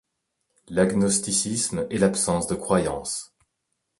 L'agnosticisme est l'absence de croyance.